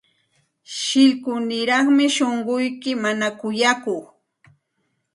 Shillkuniraqmi shunquyki, mana kuyakuq.